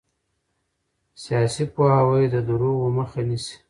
سیاسي پوهاوی د دروغو مخه نیسي